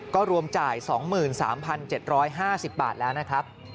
ก็รวมจ่าย๒๓๗๕๐บาทแล้วนะครับ